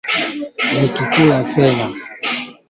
Kulingana na bei zilizotangazwa hivi karibuni na